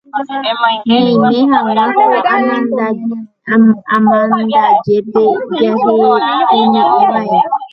Ñaime hag̃ua ko amandajépe jahepymeʼẽvaʼerã.